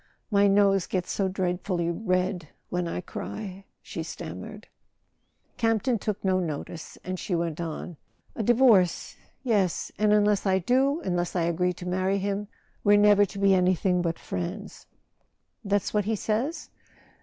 "My nose gets so dreadfully red when I cry," she stammered. Campton took no notice, and she went on: "A di [340 ] A SON AT THE FRONT vorce ? Yes. And unless I do—unless I agree to marry him—we're never to be anything but friends." That's what he says